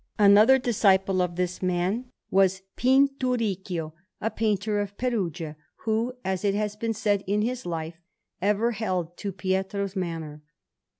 Another disciple of this man was Pinturicchio, a painter of Perugia, who, as it has been said in his Life, ever held to Pietro's manner.